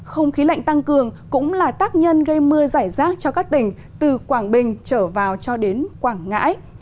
không khí lạnh tăng cường cũng là tác nhân gây mưa giải rác cho các tỉnh từ quảng bình trở vào cho đến quảng ngãi